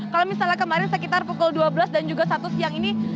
kalau misalnya kemarin sekitar pukul dua belas dan juga satu siang ini